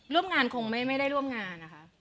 ร่วมงานคงไม่ได้ร่วมงานนะคะ